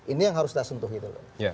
ini yang harus kita sentuh gitu loh